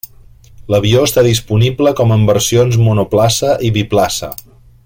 L'avió està disponible com en versions monoplaça i biplaça.